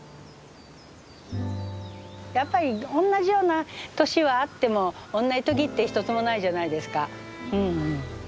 やっぱりおんなじような年はあってもおんなじ時って一つもないじゃないですかうん。